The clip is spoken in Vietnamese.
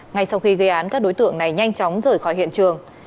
ngay sau khi gây án các đối tượng này nhanh chóng rời khỏi hiện trường